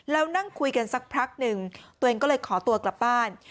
แล้วนั่งคุยกันสักพักหนึ่งตัวเองก็เลยขอตัวกลับบ้าน